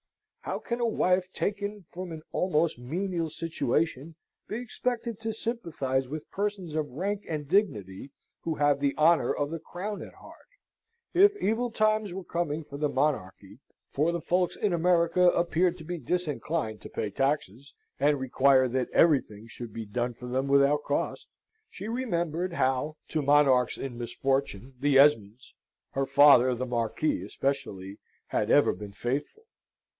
How can a wife taken from an almost menial situation be expected to sympathise with persons of rank and dignity who have the honour of the Crown at heart? If evil times were coming for the monarchy (for the folks in America appeared to be disinclined to pay taxes, and required that everything should be done for them without cost), she remembered how to monarchs in misfortune, the Esmonds her father the Marquis especially had ever been faithful.